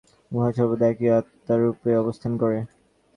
উহা সর্বদা একই আত্মারূপে অবস্থান করে।